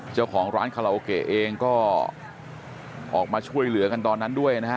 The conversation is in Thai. เจ้าของร้านคาราโอเกะเองก็ออกมาช่วยเหลือกันตอนนั้นด้วยนะฮะ